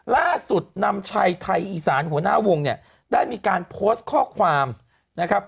นำชัยไทยอีสานหัวหน้าวงเนี่ยได้มีการโพสต์ข้อความนะครับ